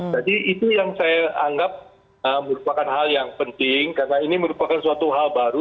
jadi itu yang saya anggap merupakan hal yang penting karena ini merupakan suatu hal baru